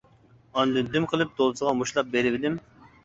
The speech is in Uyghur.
ئاندىن دۈم قىلىپ دولىسىغا مۇشتلاپ بېرىۋىدىم.